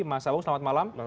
mas sawung selamat malam